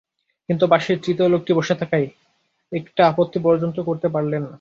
কিন্তু পাশেই তৃতীয় লোকটি বসে থাকায় একটা আপত্তি পর্যন্ত করতে পারলেন না।